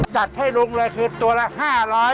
จัดให้ลุงเลยคือตัวละ๕๐๐บาท